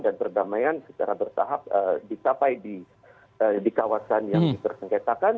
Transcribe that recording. dan perdamaian secara bersahab ditapai di kawasan yang disengketakan